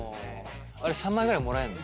あれ３枚ぐらいもらえんの？